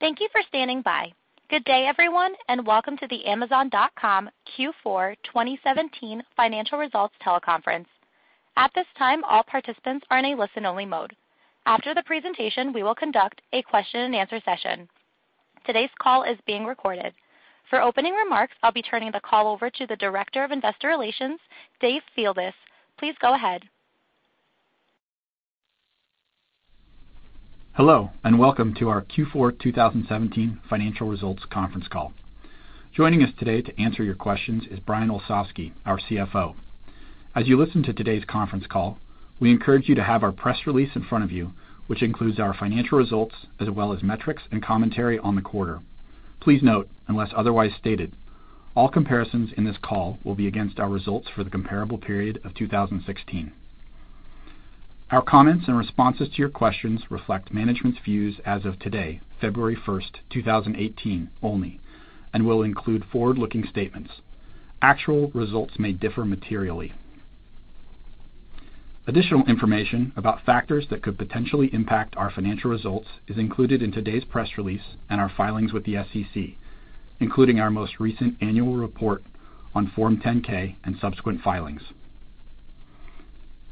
Thank you for standing by. Good day, everyone, and welcome to the Amazon.com Q4 2017 financial results teleconference. At this time, all participants are in a listen-only mode. After the presentation, we will conduct a question and answer session. Today's call is being recorded. For opening remarks, I'll be turning the call over to the Director of Investor Relations, Dave Fildes. Please go ahead. Hello, welcome to our Q4 2017 financial results conference call. Joining us today to answer your questions is Brian Olsavsky, our CFO. As you listen to today's conference call, we encourage you to have our press release in front of you, which includes our financial results as well as metrics and commentary on the quarter. Please note, unless otherwise stated, all comparisons in this call will be against our results for the comparable period of 2016. Our comments and responses to your questions reflect management's views as of today, February 1st, 2018, only, and will include forward-looking statements. Actual results may differ materially. Additional information about factors that could potentially impact our financial results is included in today's press release and our filings with the SEC, including our most recent annual report on Form 10-K and subsequent filings.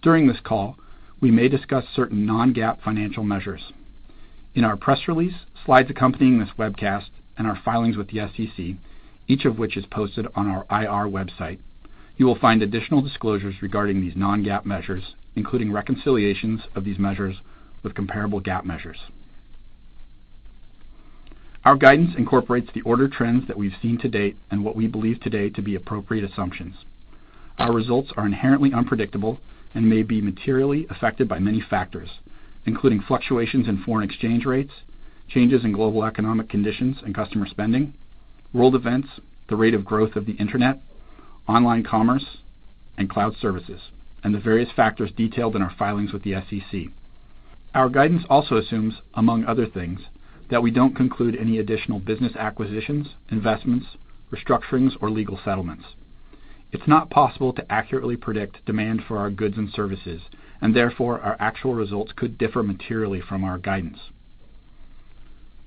During this call, we may discuss certain non-GAAP financial measures. In our press release, slides accompanying this webcast, our filings with the SEC, each of which is posted on our IR website, you will find additional disclosures regarding these non-GAAP measures, including reconciliations of these measures with comparable GAAP measures. Our guidance incorporates the order trends that we've seen to date and what we believe today to be appropriate assumptions. Our results are inherently unpredictable and may be materially affected by many factors, including fluctuations in foreign exchange rates, changes in global economic conditions and customer spending, world events, the rate of growth of the Internet, online commerce, and cloud services, the various factors detailed in our filings with the SEC. Our guidance also assumes, among other things, that we don't conclude any additional business acquisitions, investments, restructurings, or legal settlements. It's not possible to accurately predict demand for our goods and services, therefore, our actual results could differ materially from our guidance.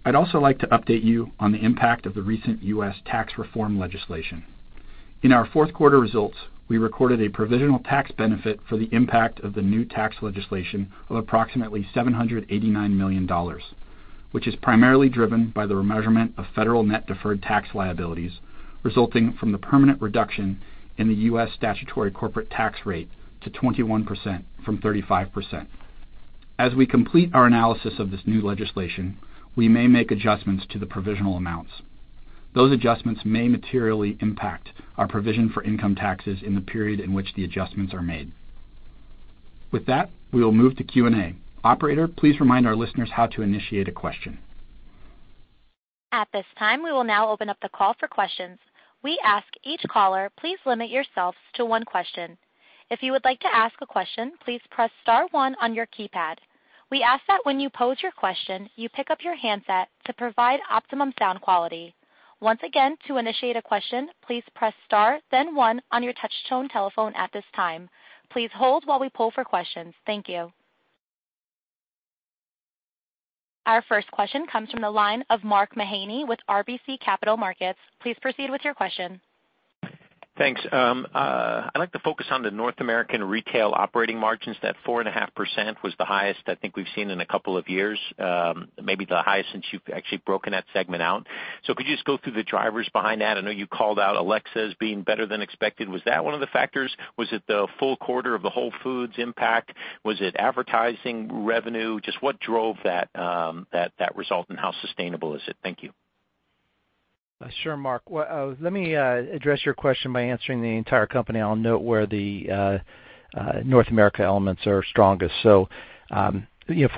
I'd also like to update you on the impact of the recent U.S. tax reform legislation. In our fourth quarter results, we recorded a provisional tax benefit for the impact of the new tax legislation of approximately $789 million, which is primarily driven by the remeasurement of federal net-deferred tax liabilities resulting from the permanent reduction in the U.S. statutory corporate tax rate to 21% from 35%. As we complete our analysis of this new legislation, we may make adjustments to the provisional amounts. Those adjustments may materially impact our provision for income taxes in the period in which the adjustments are made. With that, we will move to Q&A. Operator, please remind our listeners how to initiate a question. At this time, we will now open up the call for questions. We ask each caller, please limit yourselves to one question. If you would like to ask a question, please press star one on your keypad. We ask that when you pose your question, you pick up your handset to provide optimum sound quality. Once again, to initiate a question, please press star then one on your touch tone telephone at this time. Please hold while we poll for questions. Thank you. Our first question comes from the line of Mark Mahaney with RBC Capital Markets. Please proceed with your question. Thanks. I'd like to focus on the North American retail operating margins. That four and a half % was the highest I think we've seen in a couple of years, maybe the highest since you've actually broken that segment out. Could you just go through the drivers behind that? I know you called out Alexa as being better than expected. Was that one of the factors? Was it the full quarter of the Whole Foods impact? Was it advertising revenue? Just what drove that result, and how sustainable is it? Thank you. Sure, Mark. Let me address your question by answering the entire company. I'll note where the North America elements are strongest. For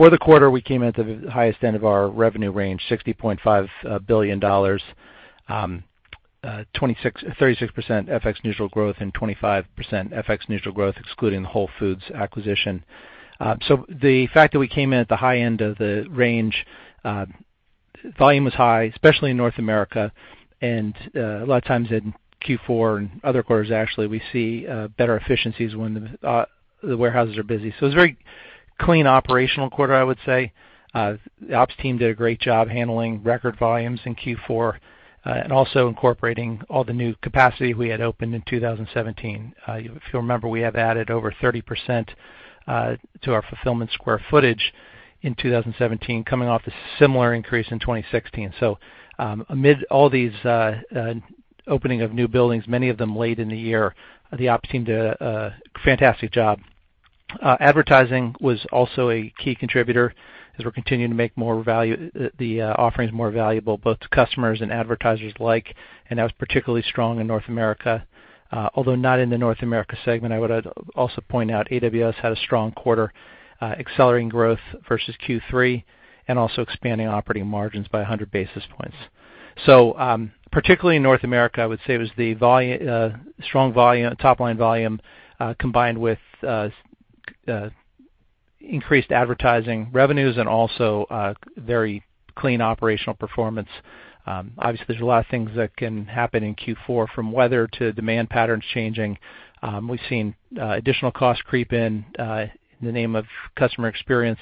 the quarter, we came in at the highest end of our revenue range, $60.5 billion, 36% FX neutral growth and 25% FX neutral growth excluding the Whole Foods acquisition. The fact that we came in at the high end of the range, volume was high, especially in North America, and a lot of times in Q4 and other quarters, actually, we see better efficiencies when the warehouses are busy. It was a very clean operational quarter, I would say. The ops team did a great job handling record volumes in Q4, and also incorporating all the new capacity we had opened in 2017. If you'll remember, we have added over 30% to our fulfillment square footage in 2017, coming off a similar increase in 2016. Amid all these opening of new buildings, many of them late in the year, the ops team did a fantastic job. Advertising was also a key contributor as we're continuing to make the offerings more valuable, both to customers and advertisers alike, and that was particularly strong in North America. Although not in the North America segment, I would also point out AWS had a strong quarter, accelerating growth versus Q3, and also expanding operating margins by 100 basis points. Particularly in North America, I would say it was the top-line volume combined with- Increased advertising revenues and also very clean operational performance. Obviously, there's a lot of things that can happen in Q4, from weather to demand patterns changing. We've seen additional costs creep in in the name of customer experience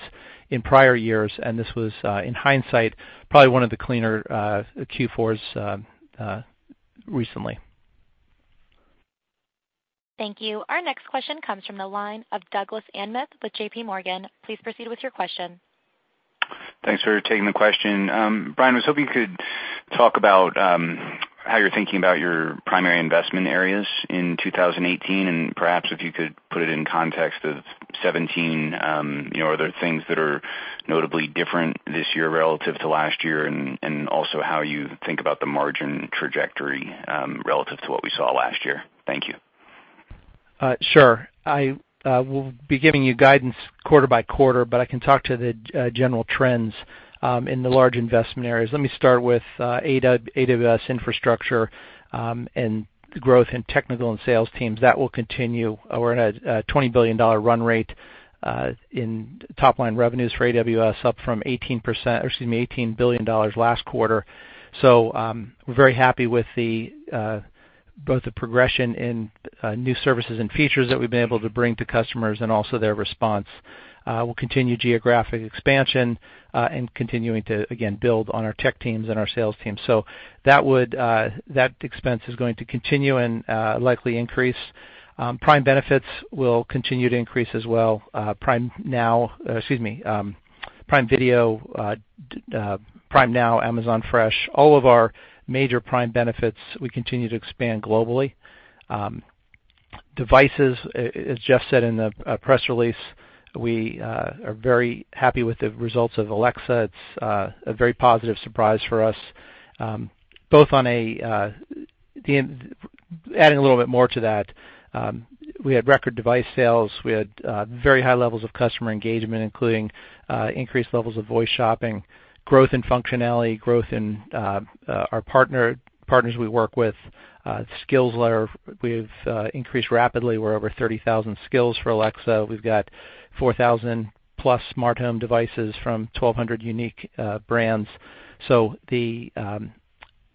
in prior years, and this was in hindsight, probably one of the cleaner Q4s recently. Thank you. Our next question comes from the line of Douglas Anmuth with J.P. Morgan. Please proceed with your question. Thanks for taking the question. Brian, I was hoping you could talk about how you're thinking about your primary investment areas in 2018, and perhaps if you could put it in context of 2017. Are there things that are notably different this year relative to last year, and also how you think about the margin trajectory relative to what we saw last year? Thank you. Sure. I will be giving you guidance quarter by quarter, but I can talk to the general trends in the large investment areas. Let me start with AWS infrastructure, and growth in technical and sales teams. That will continue. We're at a $20 billion run rate in top-line revenues for AWS, up from $18 billion last quarter. We're very happy with both the progression in new services and features that we've been able to bring to customers, and also their response. We'll continue geographic expansion, and continuing to, again, build on our tech teams and our sales teams. That expense is going to continue and likely increase. Prime benefits will continue to increase as well. Prime Video, Prime Now, Amazon Fresh, all of our major Prime benefits, we continue to expand globally. Devices, as Jeff said in the press release, we are very happy with the results of Alexa. It's a very positive surprise for us. Adding a little bit more to that, we had record device sales. We had very high levels of customer engagement, including increased levels of voice shopping, growth in functionality, growth in our partners we work with. Skills we have increased rapidly. We're over 30,000 skills for Alexa. We've got 4,000-plus smart home devices from 1,200 unique brands. The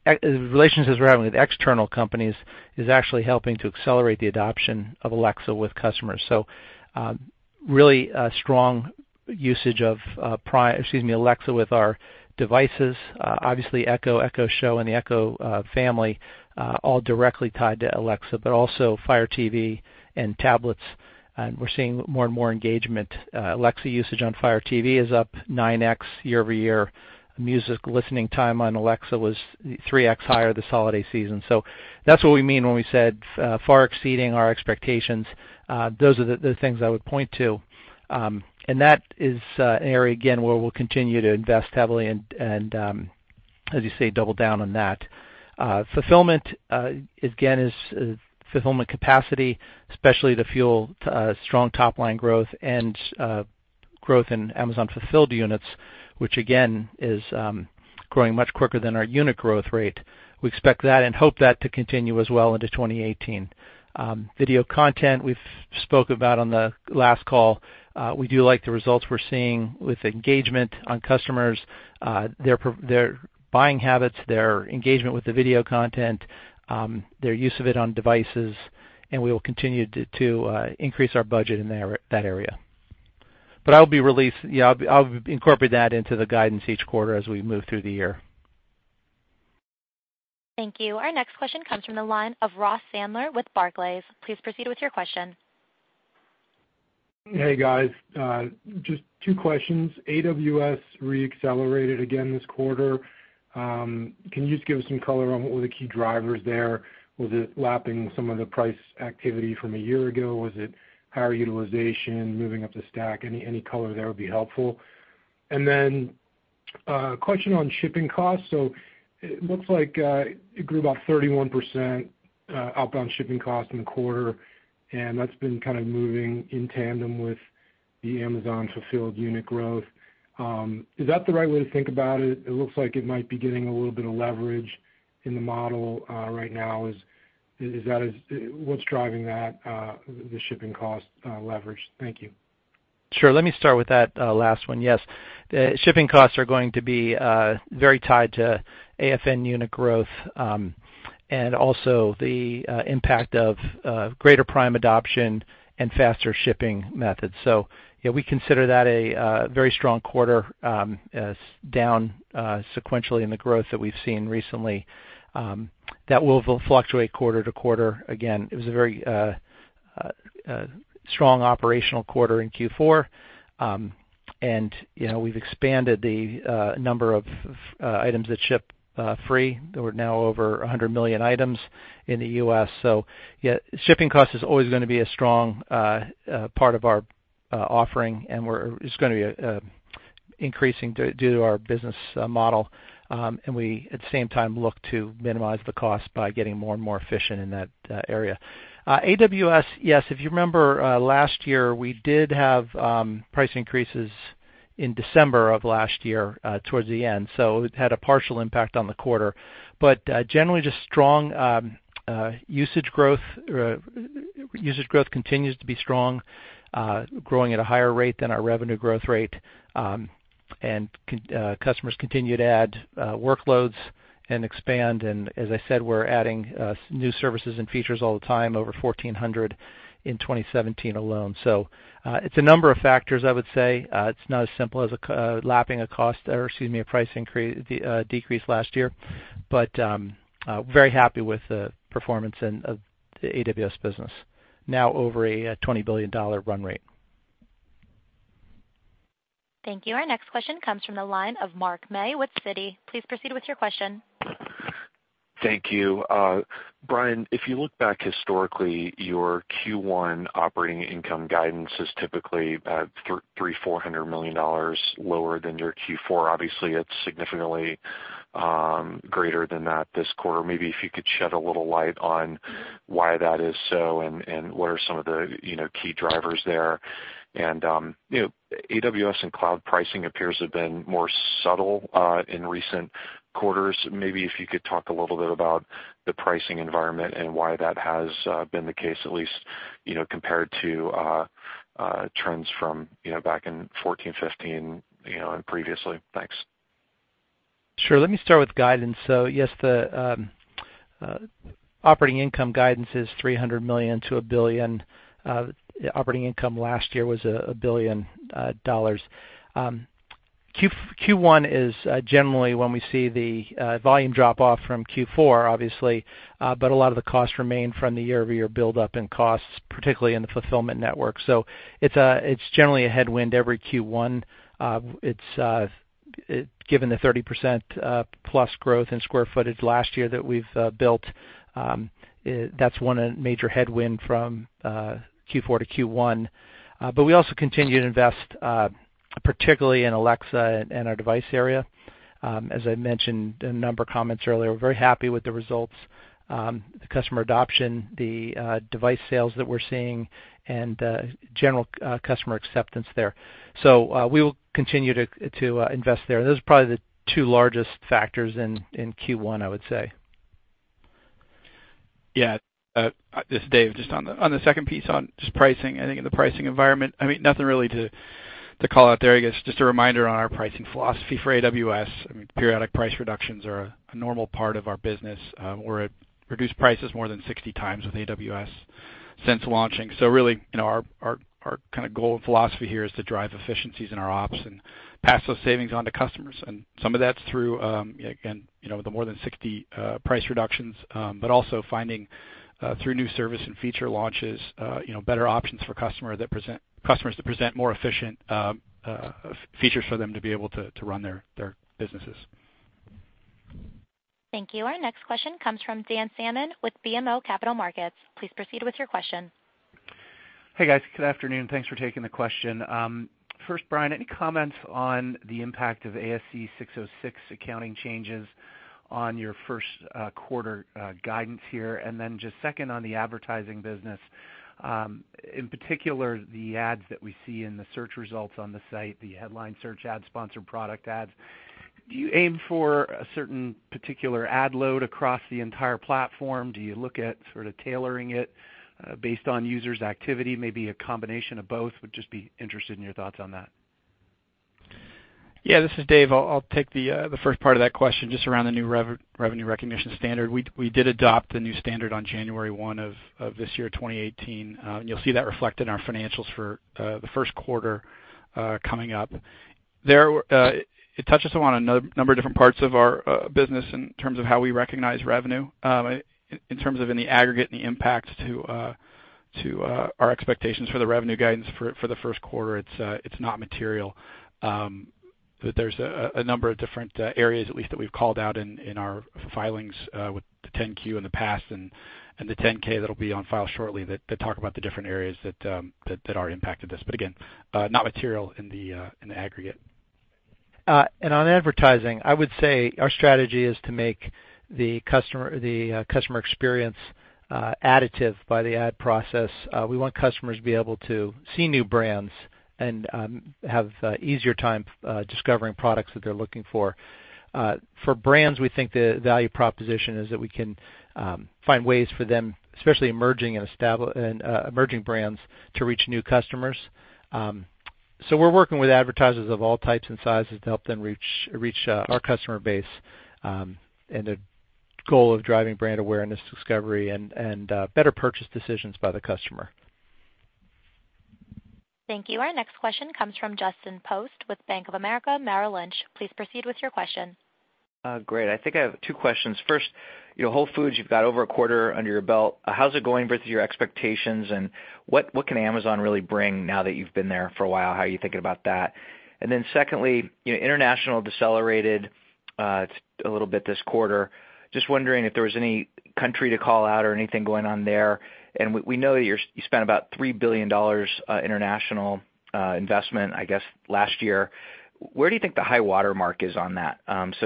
relationships we're having with external companies is actually helping to accelerate the adoption of Alexa with customers. Really a strong usage of Alexa with our devices. Obviously Echo Show, and the Echo family all directly tied to Alexa, but also Fire TV and tablets, we're seeing more and more engagement. Alexa usage on Fire TV is up 9x year-over-year. Music listening time on Alexa was 3x higher this holiday season. That's what we mean when we said far exceeding our expectations. Those are the things I would point to. That is an area, again, where we'll continue to invest heavily, and as you say, double down on that. Fulfillment capacity, especially to fuel strong top-line growth, and growth in Amazon fulfilled units, which again, is growing much quicker than our unit growth rate. We expect that and hope that to continue as well into 2018. Video content we spoke about on the last call. We do like the results we're seeing with engagement on customers, their buying habits, their engagement with the video content, their use of it on devices, and we will continue to increase our budget in that area. I'll incorporate that into the guidance each quarter as we move through the year. Thank you. Our next question comes from the line of Ross Sandler with Barclays. Please proceed with your question. Hey, guys. Just two questions. AWS re-accelerated again this quarter. Can you just give us some color on what were the key drivers there? Was it lapping some of the price activity from a year ago? Was it higher utilization, moving up the stack? Any color there would be helpful. Then a question on shipping costs. It looks like it grew about 31%, outbound shipping cost in the quarter, and that's been kind of moving in tandem with the Amazon fulfilled unit growth. Is that the right way to think about it? It looks like it might be getting a little bit of leverage in the model right now. What's driving that, the shipping cost leverage? Thank you. Sure. Let me start with that last one. Yes, the shipping costs are going to be very tied to AFN unit growth, and also the impact of greater Prime adoption and faster shipping methods. Yeah, we consider that a very strong quarter as down sequentially in the growth that we've seen recently. That will fluctuate quarter to quarter. Again, it was a very strong operational quarter in Q4, and we've expanded the number of items that ship free. We're now over 100 million items in the U.S. Yeah, shipping cost is always going to be a strong part of our offering, and it's going to be increasing due to our business model. We at the same time look to minimize the cost by getting more and more efficient in that area. AWS, yes, if you remember last year, we did have price increases in December of last year, towards the end. It had a partial impact on the quarter. Generally just strong usage growth. Usage growth continues to be strong, growing at a higher rate than our revenue growth rate. Customers continue to add workloads and expand, and as I said, we're adding new services and features all the time, over 1,400 in 2017 alone. It's a number of factors, I would say. It's not as simple as lapping a cost or, excuse me, a price decrease last year. Very happy with the performance of the AWS business. Now over a $20 billion run rate. Thank you. Our next question comes from the line of Mark May with Citi. Please proceed with your question. Thank you. Brian, if you look back historically, your Q1 operating income guidance is typically $300 million-$400 million lower than your Q4. Obviously, it's significantly greater than that this quarter. Maybe if you could shed a little light on why that is so, and what are some of the key drivers there. AWS and cloud pricing appears to have been more subtle in recent quarters. Maybe if you could talk a little bit about the pricing environment and why that has been the case, at least, compared to trends from back in 2014, 2015, and previously. Thanks. Sure. Let me start with guidance. Yes, the operating income guidance is $300 million to $1 billion. Operating income last year was $1 billion. Q1 is generally when we see the volume drop off from Q4, obviously, but a lot of the costs remain from the year-over-year buildup in costs, particularly in the fulfillment network. It's generally a headwind every Q1. Given the 30%+ growth in square footage last year that we've built, that's one major headwind from Q4 to Q1. We also continue to invest, particularly in Alexa and our device area. As I mentioned in a number of comments earlier, we're very happy with the results, the customer adoption, the device sales that we're seeing, and general customer acceptance there. We will continue to invest there. Those are probably the two largest factors in Q1, I would say. This is Dave. Just on the second piece on just pricing, I think in the pricing environment, nothing really to call out there. I guess, just a reminder on our pricing philosophy for AWS. Periodic price reductions are a normal part of our business. We've reduced prices more than 60 times with AWS since launching. Really, our kind of goal and philosophy here is to drive efficiencies in our ops and pass those savings on to customers. Some of that's through, again, the more than 60 price reductions. Also finding through new service and feature launches, better options for customers that present more efficient features for them to be able to run their businesses. Thank you. Our next question comes from Dan Salmon with BMO Capital Markets. Please proceed with your question. Hey, guys. Good afternoon. Thanks for taking the question. First, Brian, any comments on the impact of ASC 606 accounting changes on your first quarter guidance here? Then just second on the advertising business, in particular, the ads that we see in the search results on the site, the headline search ads, sponsored product ads. Do you aim for a certain particular ad load across the entire platform? Do you look at sort of tailoring it based on users' activity? Maybe a combination of both. Would just be interested in your thoughts on that. Yeah, this is Dave. I'll take the first part of that question, just around the new revenue recognition standard. We did adopt the new standard on January 1 of this year, 2018. You'll see that reflected in our financials for the first quarter coming up. It touches on a number of different parts of our business in terms of how we recognize revenue. In terms of in the aggregate and the impact to our expectations for the revenue guidance for the first quarter, it's not material. There's a number of different areas at least that we've called out in our filings with the 10-Q in the past and the 10-K that'll be on file shortly that talk about the different areas that are impacted this. Again, not material in the aggregate. On advertising, I would say our strategy is to make the customer experience additive by the ad process. We want customers to be able to see new brands and have easier time discovering products that they're looking for. For brands, we think the value proposition is that we can find ways for them, especially emerging brands, to reach new customers. We're working with advertisers of all types and sizes to help them reach our customer base, and the goal of driving brand awareness, discovery, and better purchase decisions by the customer. Thank you. Our next question comes from Justin Post with Bank of America Merrill Lynch. Please proceed with your question. Great. I think I have two questions. First, Whole Foods, you've got over a quarter under your belt. How's it going versus your expectations, and what can Amazon really bring now that you've been there for a while? How are you thinking about that? Then secondly, international decelerated a little bit this quarter. Just wondering if there was any country to call out or anything going on there. We know that you spent about $3 billion international investment, I guess, last year. Where do you think the high watermark is on that?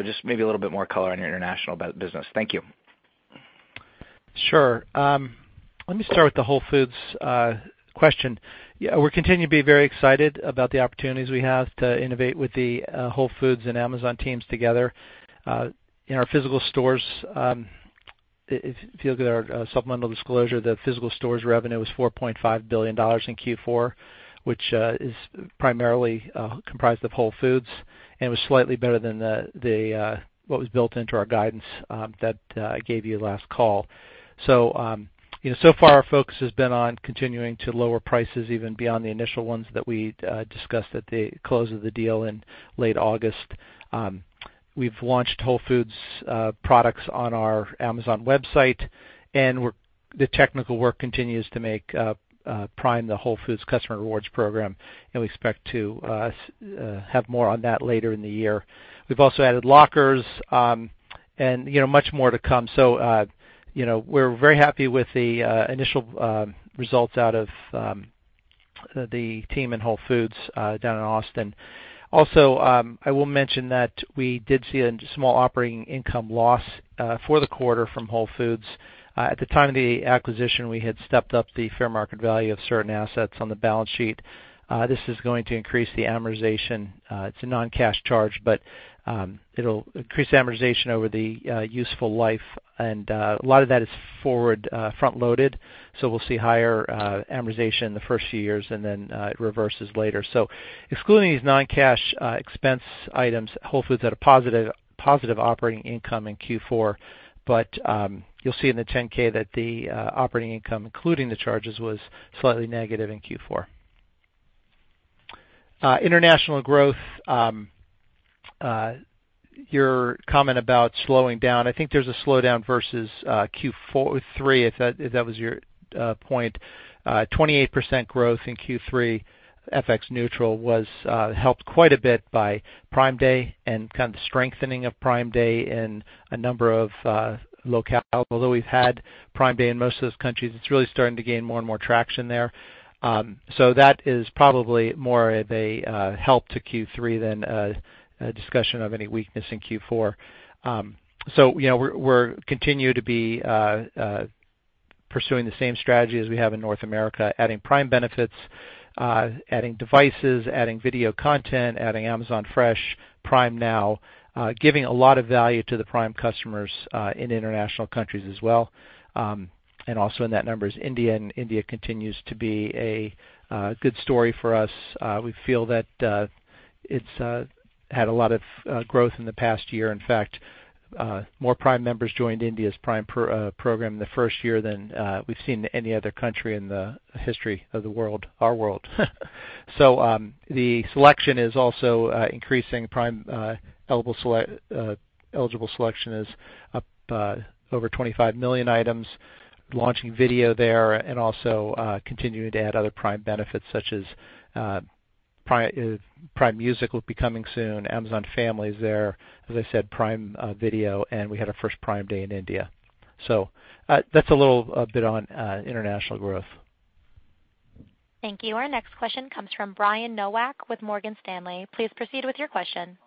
Just maybe a little bit more color on your international business. Thank you. Sure. Let me start with the Whole Foods question. We continue to be very excited about the opportunities we have to innovate with the Whole Foods and Amazon teams together. In our physical stores, if you look at our supplemental disclosure, the physical stores revenue was $4.5 billion in Q4, which is primarily comprised of Whole Foods, and was slightly better than what was built into our guidance that I gave you last call. Our focus has been on continuing to lower prices even beyond the initial ones that we discussed at the close of the deal in late August. We've launched Whole Foods products on our Amazon website, the technical work continues to make Prime the Whole Foods customer rewards program, we expect to have more on that later in the year. We've also added lockers, much more to come. We're very happy with the initial results out of the team in Whole Foods down in Austin. I will mention that we did see a small operating income loss for the quarter from Whole Foods. At the time of the acquisition, we had stepped up the fair market value of certain assets on the balance sheet. This is going to increase the amortization. It's a non-cash charge, but it'll increase amortization over the useful life, and a lot of that is forward front-loaded, we'll see higher amortization in the first few years, and then it reverses later. Excluding these non-cash expense items, Whole Foods had a positive operating income in Q4. You'll see in the 10-K that the operating income, including the charges, was slightly negative in Q4. International growth, your comment about slowing down, I think there's a slowdown versus Q3, if that was your point. 28% growth in Q3, FX neutral, was helped quite a bit by Prime Day and the strengthening of Prime Day in a number of locales. Although we've had Prime Day in most of those countries, it's really starting to gain more and more traction there. That is probably more of a help to Q3 than a discussion of any weakness in Q4. We continue to be pursuing the same strategy as we have in North America, adding Prime benefits, adding devices, adding video content, adding Amazon Fresh, Prime Now, giving a lot of value to the Prime customers in international countries as well. Also in that number is India continues to be a good story for us. We feel that it's had a lot of growth in the past year. In fact, more Prime members joined India's Prime program in the first year than we've seen in any other country in the history of the world, our world. The selection is also increasing. Prime eligible selection is up over 25 million items, launching video there, continuing to add other Prime benefits, such as Prime Music will be coming soon, Amazon Family is there. As I said, Prime Video, we had our first Prime Day in India. That's a little bit on international growth. Thank you. Our next question comes from Brian Nowak with Morgan Stanley. Please proceed with your question.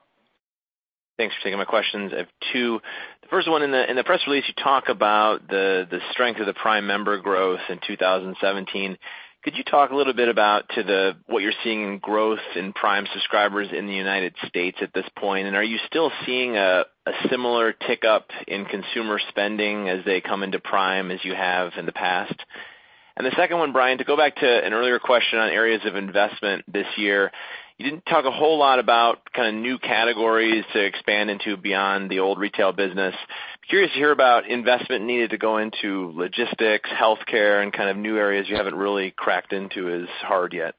Thanks for taking my questions. I have two. The first one, in the press release, you talk about the strength of the Prime member growth in 2017. Could you talk a little bit about what you're seeing in growth in Prime subscribers in the U.S. at this point? Are you still seeing a similar tick-up in consumer spending as they come into Prime as you have in the past? The second one, Brian, to go back to an earlier question on areas of investment this year, you didn't talk a whole lot about new categories to expand into beyond the old retail business. I'm curious to hear about investment needed to go into logistics, healthcare, and new areas you haven't really cracked into as hard yet.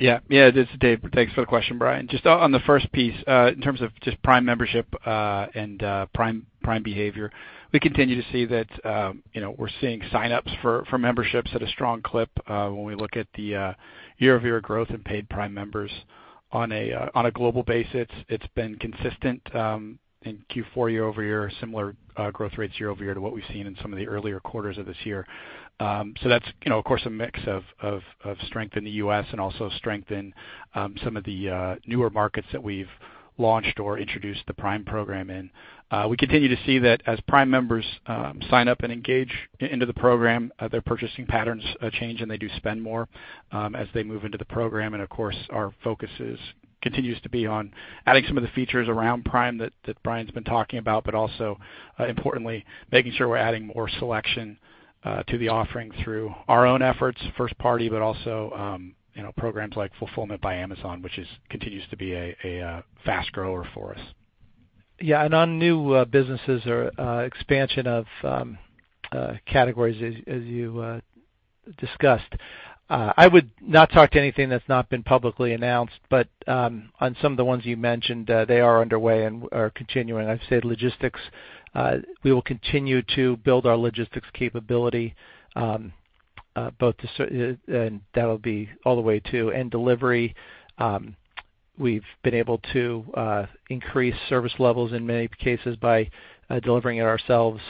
Yeah. This is Dave. Thanks for the question, Brian. Just on the first piece, in terms of just Prime membership, and Prime behavior, we continue to see that we're seeing sign-ups for memberships at a strong clip. When we look at the year-over-year growth in paid Prime members on a global basis, it's been consistent in Q4 year-over-year, similar growth rates year-over-year to what we've seen in some of the earlier quarters of this year. That's, of course, a mix of strength in the U.S. and also strength in some of the newer markets that we've launched or introduced the Prime program in. We continue to see that as Prime members sign up and engage into the program, their purchasing patterns change, and they do spend more as they move into the program. Of course, our focus continues to be on adding some of the features around Prime that Brian's been talking about, but also importantly, making sure we're adding more selection to the offering through our own efforts, first party, but also programs like Fulfillment by Amazon, which continues to be a fast grower for us. Yeah, on new businesses or expansion of categories, as you discussed, I would not talk to anything that's not been publicly announced. On some of the ones you mentioned, they are underway and are continuing. I've said logistics, we will continue to build our logistics capability, and that'll be all the way to end delivery. We've been able to increase service levels in many cases by delivering it ourselves.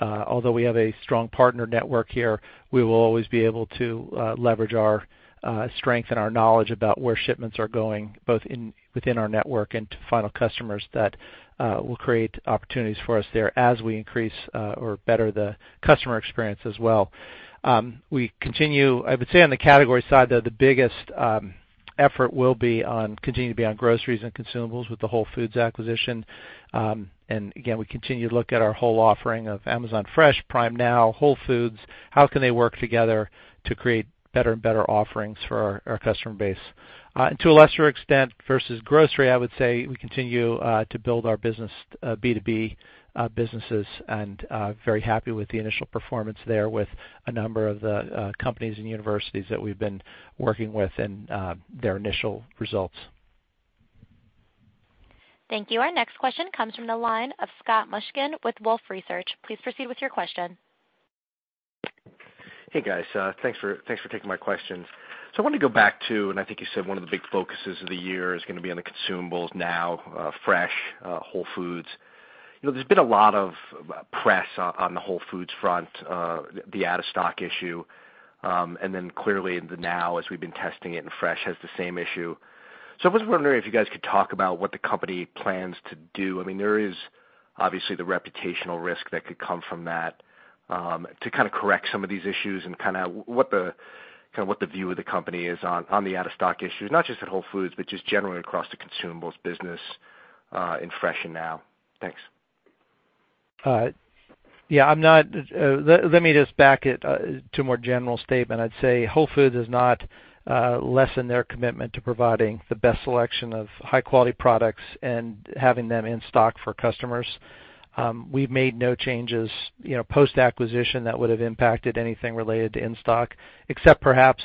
Although we have a strong partner network here, we will always be able to leverage our strength and our knowledge about where shipments are going, both within our network and to final customers that will create opportunities for us there as we increase, or better the customer experience as well. I would say on the category side, though, the biggest effort will continue to be on groceries and consumables with the Whole Foods acquisition. Again, we continue to look at our whole offering of Amazon Fresh, Prime Now, Whole Foods. How can they work together to create better and better offerings for our customer base? To a lesser extent versus grocery, I would say we continue to build our B2B businesses, and very happy with the initial performance there with a number of the companies and universities that we've been working with, and their initial results. Thank you. Our next question comes from the line of Scott Mushkin with Wolfe Research. Please proceed with your question. Hey, guys. Thanks for taking my questions. I wanted to go back to, and I think you said one of the big focuses of the year is going to be on the consumables, Now, Fresh, Whole Foods. There's been a lot of press on the Whole Foods front, the out-of-stock issue. Clearly the Now, as we've been testing it, and Fresh has the same issue. I was wondering if you guys could talk about what the company plans to do. There is obviously the reputational risk that could come from that, to kind of correct some of these issues, and what the view of the company is on the out-of-stock issues, not just at Whole Foods, but just generally across the consumables business, in Fresh and Now. Thanks. Yeah. Let me just back it to a more general statement. I'd say Whole Foods has not lessened their commitment to providing the best selection of high-quality products, and having them in stock for customers. We've made no changes, post-acquisition that would've impacted anything related to in-stock, except perhaps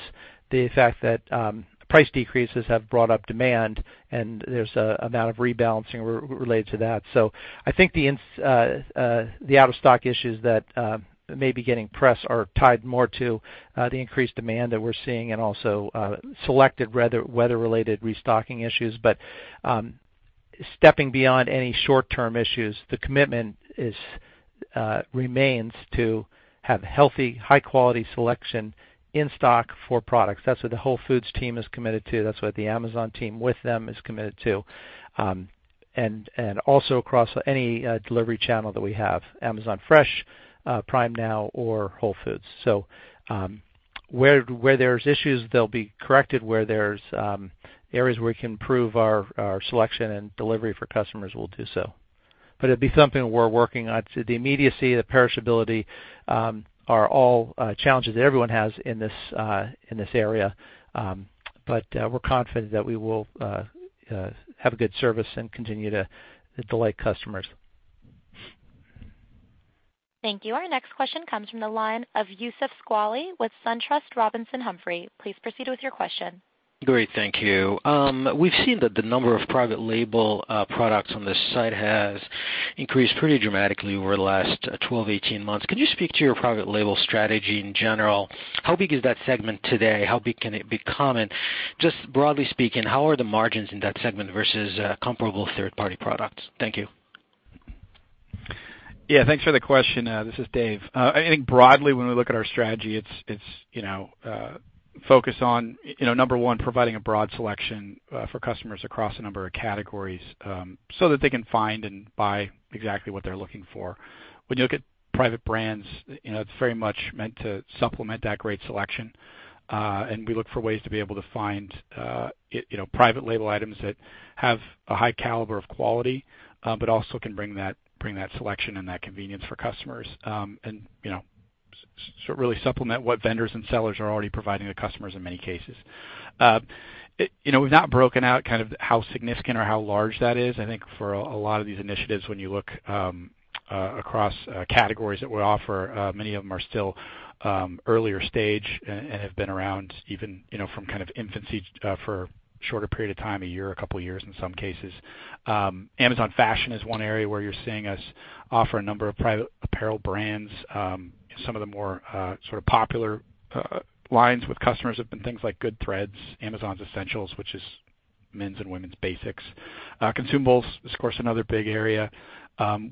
the fact that price decreases have brought up demand, and there's an amount of rebalancing related to that. I think the out-of-stock issues that may be getting press are tied more to the increased demand that we're seeing and also selected weather-related restocking issues. Stepping beyond any short-term issues, the commitment remains to have healthy, high-quality selection in stock for products. That's what the Whole Foods team is committed to. That's what the Amazon team with them is committed to. Also across any delivery channel that we have, Amazon Fresh, Prime Now, or Whole Foods. Where there's issues, they'll be corrected. Where there's areas where we can improve our selection and delivery for customers, we'll do so. It'd be something we're working on. The immediacy, the perishability are all challenges that everyone has in this area. We're confident that we will have a good service and continue to delight customers. Thank you. Our next question comes from the line of Youssef Squali with SunTrust Robinson Humphrey. Please proceed with your question. Great. Thank you. We've seen that the number of private label products on the site has increased pretty dramatically over the last 12, 18 months. Can you speak to your private label strategy in general? How big is that segment today? How big can it become? Just broadly speaking, how are the margins in that segment versus comparable third-party products? Thank you. Yeah. Thanks for the question. This is Dave. I think broadly when we look at our strategy, it's focused on, number 1, providing a broad selection for customers across a number of categories, so that they can find and buy exactly what they're looking for. When you look at private brands, it's very much meant to supplement that great selection. We look for ways to be able to find private label items that have a high caliber of quality, but also can bring that selection and that convenience for customers. Sort of really supplement what vendors and sellers are already providing to customers in many cases. We've not broken out how significant or how large that is. I think for a lot of these initiatives, when you look across categories that we offer, many of them are still earlier stage, and have been around even from infancy for a shorter period of time, a year, a couple of years in some cases. Amazon Fashion is one area where you're seeing us offer a number of private apparel brands. Some of the more popular lines with customers have been things like Goodthreads, Amazon Essentials, which is men's and women's basics. Consumables is, of course, another big area,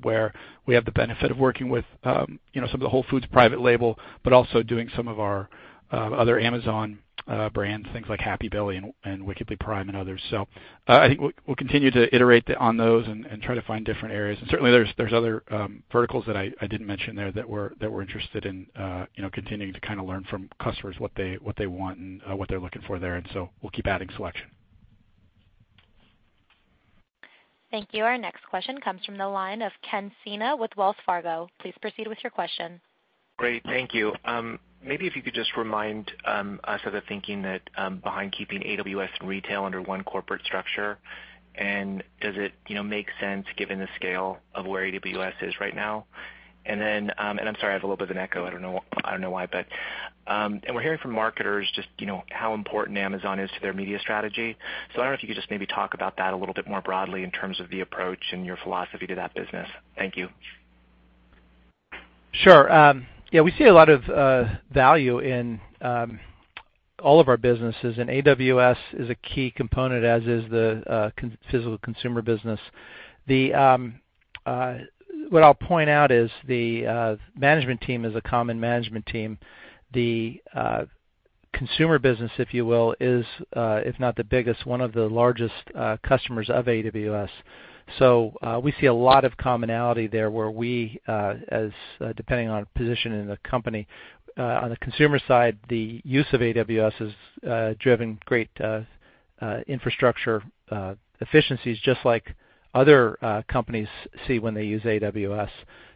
where we have the benefit of working with some of the Whole Foods private label, but also doing some of our other Amazon brands, things like Happy Belly, and Wickedly Prime, and others. I think we'll continue to iterate on those and try to find different areas. Certainly there's other verticals that I didn't mention there that we're interested in continuing to learn from customers what they want and what they're looking for there. We'll keep adding selection. Thank you. Our next question comes from the line of Ken Sena with Wells Fargo. Please proceed with your question. Great. Thank you. Maybe if you could just remind us of the thinking behind keeping AWS and retail under one corporate structure, does it make sense given the scale of where AWS is right now? I'm sorry, I have a little bit of an echo. I don't know why. We're hearing from marketers just how important Amazon is to their media strategy. I wonder if you could just maybe talk about that a little bit more broadly in terms of the approach and your philosophy to that business. Thank you. Sure. Yeah, we see a lot of value in all of our businesses, and AWS is a key component, as is the physical consumer business. What I'll point out is the management team is a common management team. The consumer business, if you will, is, if not the biggest, one of the largest customers of AWS. We see a lot of commonality there where we, depending on position in the company, on the consumer side, the use of AWS has driven great infrastructure efficiencies, just like other companies see when they use AWS,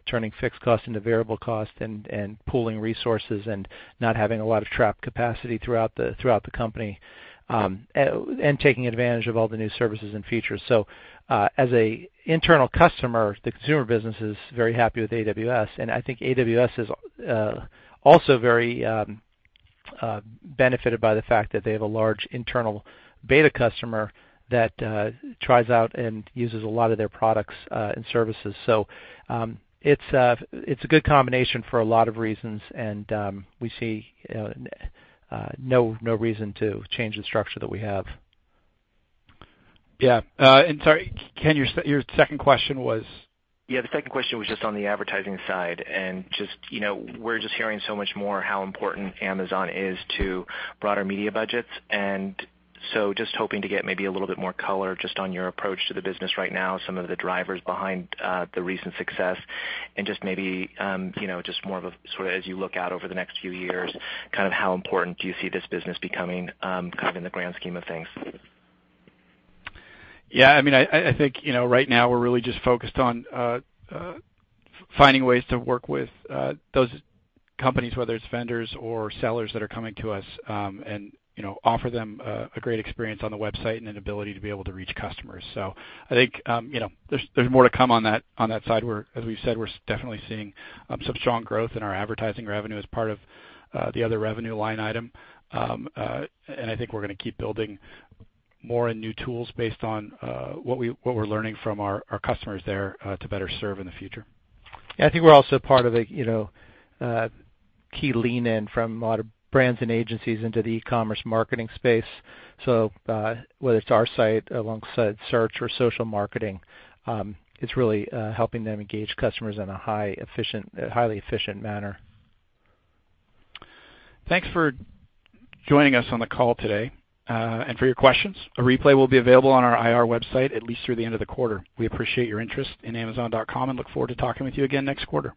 turning fixed cost into variable cost and pooling resources, and not having a lot of trapped capacity throughout the company, and taking advantage of all the new services and features. As an internal customer, the consumer business is very happy with AWS, and I think AWS is also very benefited by the fact that they have a large internal beta customer that tries out and uses a lot of their products and services. It's a good combination for a lot of reasons, and we see no reason to change the structure that we have. Yeah. Sorry, Ken, your second question was? The second question was just on the advertising side, and we're just hearing so much more how important Amazon is to broader media budgets. Just hoping to get maybe a little bit more color just on your approach to the business right now, some of the drivers behind the recent success, and just maybe, more of a sort of as you look out over the next few years, how important do you see this business becoming in the grand scheme of things? I think right now we're really just focused on finding ways to work with those companies, whether it's vendors or sellers that are coming to us, and offer them a great experience on the website, and an ability to be able to reach customers. I think there's more to come on that side, where, as we've said, we're definitely seeing some strong growth in our advertising revenue as part of the other revenue line item. I think we're going to keep building more and new tools based on what we're learning from our customers there to better serve in the future. I think we're also part of a key lean-in from a lot of brands and agencies into the e-commerce marketing space. Whether it's our site alongside search or social marketing, it's really helping them engage customers in a highly efficient manner. Thanks for joining us on the call today, and for your questions. A replay will be available on our IR website at least through the end of the quarter. We appreciate your interest in Amazon.com and look forward to talking with you again next quarter.